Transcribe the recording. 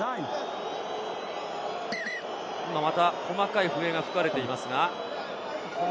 今また細かい笛が吹かれていますが。